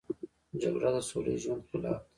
جګړه د سوله ییز ژوند خلاف ده